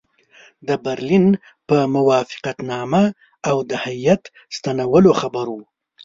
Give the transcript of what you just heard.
د برلین په موافقتنامه او د هیات ستنېدلو خبر وو.